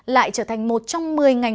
lại trở thành một trong một mươi ngành